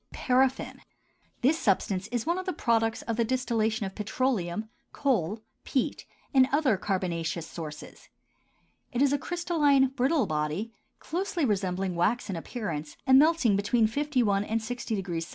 PARAFFIN. This substance is one of the products of the distillation of petroleum, coal, peat, and other carbonaceous sources. It is a crystalline, brittle body, closely resembling wax in appearance and melting between 51 and 60° C.